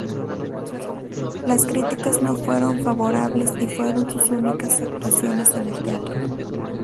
Las críticas no fueron favorables y fueron sus únicas actuaciones en el teatro.